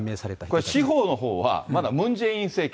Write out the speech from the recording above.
だから司法のほうはまだムン・ジェイン政権。